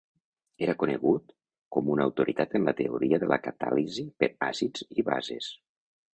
Era conegut com una autoritat en la teoria de la catàlisi per àcids i bases.